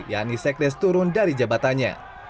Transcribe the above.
yakni sekdes turun dari jabatannya